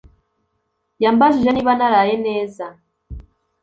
Yambajije niba naraye neza.